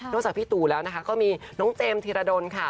จากพี่ตู่แล้วนะคะก็มีน้องเจมส์ธีรดลค่ะ